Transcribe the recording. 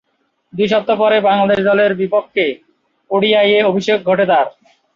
দুই সপ্তাহ পরই বাংলাদেশ দলের বিপক্ষে ওডিআইয়ে অভিষেক ঘটে তার।